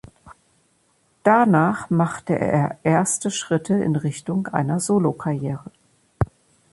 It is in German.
Danach machte er erste Schritte in Richtung einer Solo-Karriere.